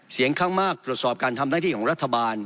เสียงข้างมากตรวจสอบการทำหน้าที่ของรัฐบาล